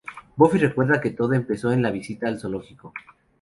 Buffy recuerda que todo empezó en la visita al zoológico.